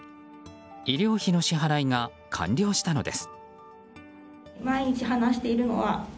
医療費の支払いが完了したのです。